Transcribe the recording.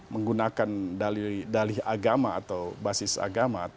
menggunakan dalih agama atau basis agama